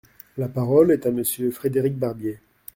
La parole est à Monsieur Frédéric Barbier.